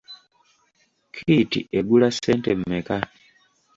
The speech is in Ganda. Kit egula ssente mmeka?